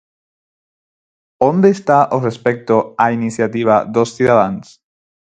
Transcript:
¿Onde está o respecto á iniciativa dos cidadáns?